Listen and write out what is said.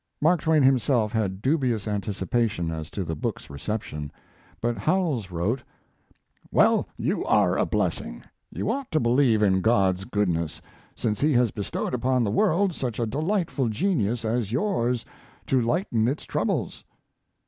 Mark Twain himself had dubious anticipations as to the book's reception. But Howells wrote: Well, you are a blessing. You ought to believe in God's goodness, since he has bestowed upon the world such a delightful genius as yours to lighten its troubles.